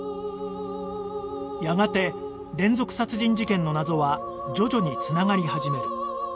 やがて連続殺人事件の謎は徐々に繋がり始める